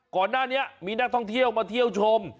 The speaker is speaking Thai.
ก่อนหน้านี้มีนักท่องเที่ยวมาเที่ยวชม